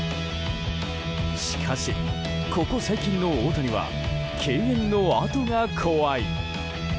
しかし、ここ最近の大谷は敬遠のあとが怖い。